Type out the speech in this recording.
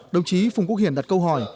đồng chí phùng quốc hiển đặt câu hỏi